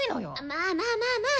まあまあまあまあ。